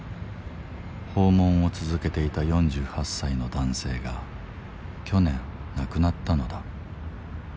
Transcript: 訪問を続けていた４８歳の男性が去年亡くなったのだ。